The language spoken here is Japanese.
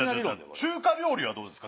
中華料理はどうですか？